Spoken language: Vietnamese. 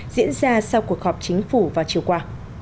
diễn ra sau cuộc họp chính phủ vào chiều qua